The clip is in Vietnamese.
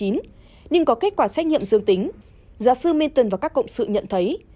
nhưng có kết quả xét nghiệm dương tính giáo sư minton và các cộng sự nhận thấy